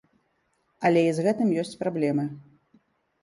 Але і з гэтым ёсць праблемы.